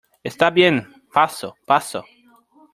Está bien , paso , paso .